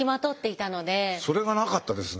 それがなかったですね